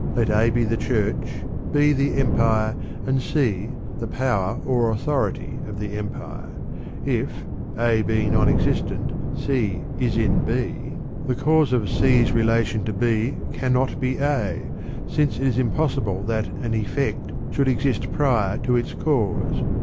Let A be the Church, B the Empire, and C the power or authority of the Empire, If, A being non existent, C is in B, the cause of C's relation to B cannot be A, since it is impossible that an effect should exist prior to its cause.